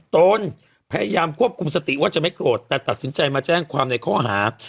ตนพยายามควบคุมสติว่าจะไม่โกรธแต่ตัดสินใจมาแจ้งความในข้อหา